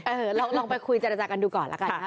เออลองไปคุยจริงจากกันดูก่อนแล้วกัน